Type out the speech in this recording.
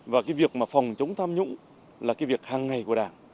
và cái việc mà phong chống tham nhũ là cái việc hàng ngày của đảng